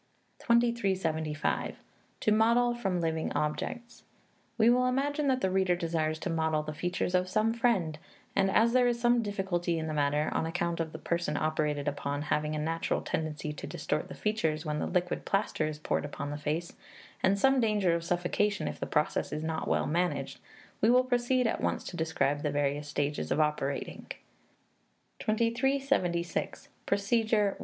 2375. To Model from Living Objects. We will imagine that the reader desires to model the features of some friend, and as there is some difficulty in the matter, on account of the person operated upon having a natural tendency to distort the features when the liquid plaster is poured upon the face, and some danger of suffocation if the process is not well managed, we will proceed at once to describe the various stages of operating: 2376. Procedure (1).